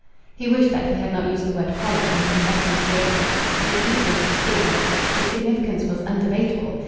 He wished that he had not used the word "collar" in confessing to Rachel. It was equal to "steal." Its significance was undebatable.